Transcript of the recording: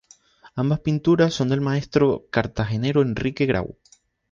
Ambas pinturas son del maestro cartagenero Enrique Grau.